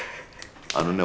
あのね